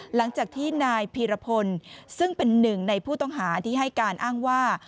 หลังจากที่นายพีรพลซึ่งเป็นหนึ่งในผู้ต้องหาที่ให้การอ้างว่า